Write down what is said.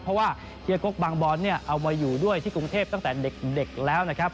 เพราะว่าเฮียก๊กบางบอลเนี่ยเอามาอยู่ด้วยที่กรุงเทพตั้งแต่เด็กแล้วนะครับ